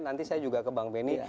nanti saya juga ke bang benny